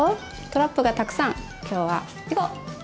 トラップがたくさん今日は行こう！